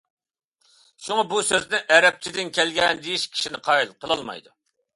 شۇڭا بۇ سۆزنى ئەرەبچىدىن كەلگەن دېيىش كىشىنى قايىل قىلالمايدۇ.